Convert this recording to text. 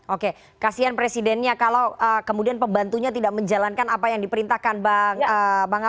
oke kasian presidennya kalau kemudian pembantunya tidak menjalankan apa yang diperintahkan bang